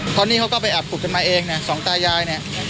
ตอนนี้เขาก็ไปอับขุดกันมาเองสองตายาย